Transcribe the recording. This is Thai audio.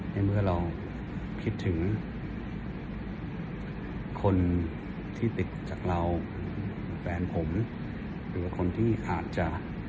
ในเมื่อเราคิดถึงคนที่ติดจากเราแฟนผมหรือคนที่อาจจะ